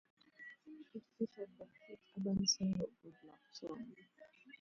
It featured the hit urban single "Good Luck Charm".